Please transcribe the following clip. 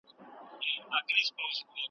په خپل حکم به سنګسار وي خپل بادار ته شرمېدلی .